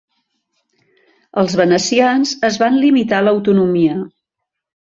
Els venecians en van limitar l'autonomia.